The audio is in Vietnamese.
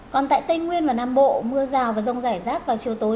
còn tại tây nguyên và nam bộ mưa rào và rông rải rác vào chiều tối